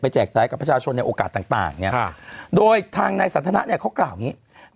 แจกจ่ายกับประชาชนในโอกาสต่างเนี่ยโดยทางนายสันทนาเนี่ยเขากล่าวอย่างนี้